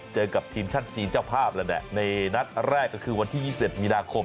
เจอกับทีมชาติจีนเจ้าภาพแล้วแหละในนัดแรกก็คือวันที่๒๑มีนาคม